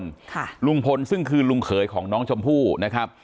ค่ะลุงพลซึ่งคือลุงเขยของน้องชมพู่นะครับ